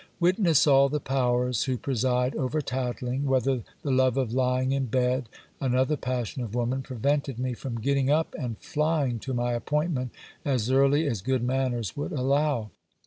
Witness all the powers who preside over tattling, whether the love of lying in bed, another passion of woman, prevented me from getting up and flying to my appointment as early as good manners would allow.